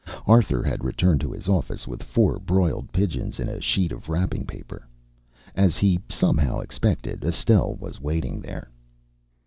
Arthur had returned to his office with four broiled pigeons in a sheet of wrapping paper. As he somehow expected, Estelle was waiting there.